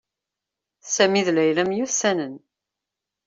Sami d Layla myussanen.